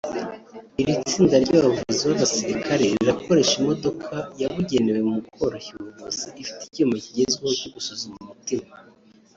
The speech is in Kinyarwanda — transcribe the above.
iri tsinda ry’abavuzi b’abasirikare rirakoresha imodoka yabugenewe mu koroshya ubuvuzi ifite icyuma kigezweho cyo gusuzuma umutima